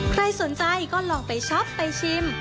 ใครสนใจก็ลองไปช็อปไปชิม